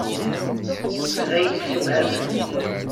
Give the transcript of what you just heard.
D ayen i issewhamen.